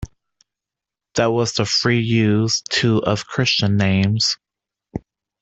There was the free use, too, of Christian names.